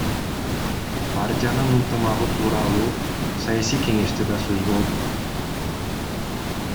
Партиянын ынтымагы тууралуу саясий кеңеште да сөз болду.